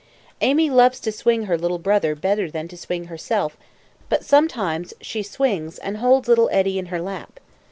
Amy loves to swing her little brother better than to swing herself; but sometimes she swings, and holds little Eddie in her lap.